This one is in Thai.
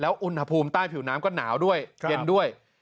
อุณหภูมิใต้ผิวน้ำก็หนาวด้วยเย็นด้วย